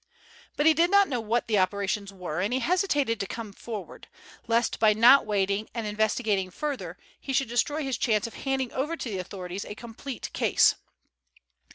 But he did not know what the operations were, and he hesitated to come forward, lest by not waiting and investigating further he should destroy his chance of handing over to the authorities a complete case.